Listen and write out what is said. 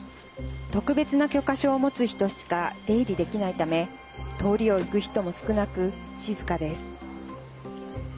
特別な許可証を持つ人しか出入りできないため通りを行く人も少なく、静かです。